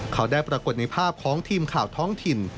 เขาได้ปรากฏในภาพของทีมข่าวท้องถิ่น